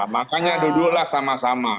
makanya duduklah sama sama